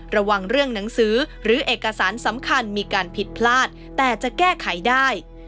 ระวังเรื่องหนังสือหรือเอกสารสำคัญมีการผิดพลาดแต่จะแก้ไขได้